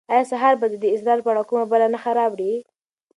آیا سهار به د دې اسرار په اړه کومه بله نښه راوړي؟